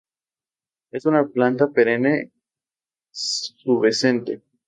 Es una planta perenne pubescente.